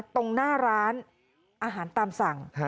ตรงหน้าร้านอาหารตามสั่ง